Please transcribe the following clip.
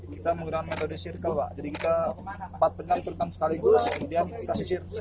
kita menggunakan metode circle jadi kita empat penyelam turkan sekaligus kemudian kita sisir satu satu